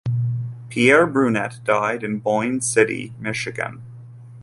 Pierre Brunet died in Boyne City, Michigan.